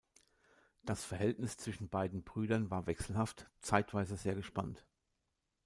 Das Verhältnis zwischen beiden Brüdern war wechselhaft, zeitweise sehr gespannt.